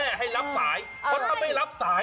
ก็จะเป็นคนเตือนแม่ให้รับสาย